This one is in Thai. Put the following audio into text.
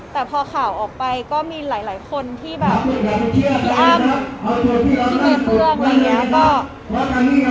แต่พอข่าวออกไปก็มีหลายคนที่แบบพี่อ้ำที่มีพวกอะไรอย่างนี้